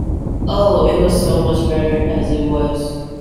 Oh, it was so much better as it was!